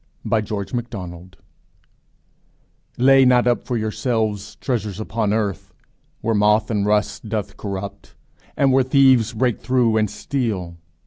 _Lay not up for yourselves treasures upon earth, where moth and rust doth corrupt, and where thieves break through and steal.